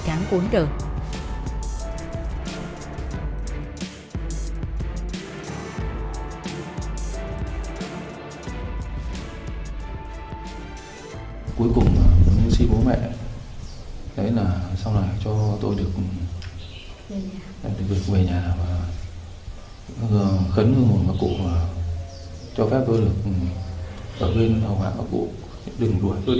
kẻ automatic tính bản thiết dân